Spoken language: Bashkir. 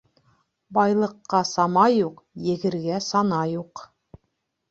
Байлыҡҡа сама юҡ, егергә сана юҡ.